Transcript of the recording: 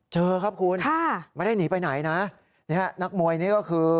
เจอครับคุณค่ะไม่ได้หนีไปไหนนะนี่ฮะนักมวยนี่ก็คือ